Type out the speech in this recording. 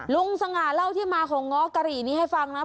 สง่าเล่าที่มาของง้อกะหรี่นี้ให้ฟังนะ